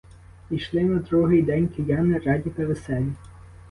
І йшли на другий день кияни раді та веселі.